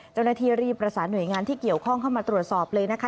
เจ้าหน้าที่รีบประสานหน่วยงานที่เกี่ยวข้องเข้ามาตรวจสอบเลยนะคะ